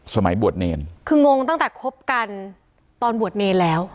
สมัยบวชเนรคืองงตั้งแต่คบกันตอนบวชเนรแล้ว